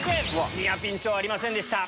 ニアピン賞ありませんでした。